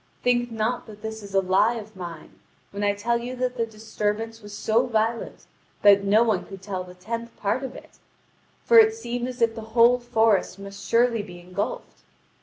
Think not that this is a lie of mine, when I tell you that the disturbance was so violent that no one could tell the tenth part of it: for it seemed as if the whole forest must surely be engulfed.